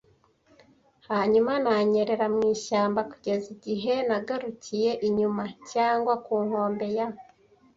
Hanyuma, nanyerera mu ishyamba kugeza igihe nagarukiye inyuma, cyangwa ku nkombe, ya